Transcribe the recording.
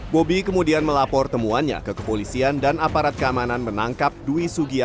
bobi kemudian melapor temuannya ke kepolisian dan aparat keamanan menangkap dwi sugia